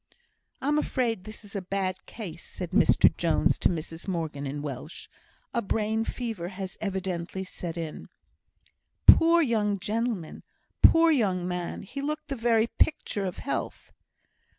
"I am afraid this is a bad case," said Mr Jones to Mrs Morgan in Welsh. "A brain fever has evidently set in." "Poor young gentleman! poor young man! He looked the very picture of health!"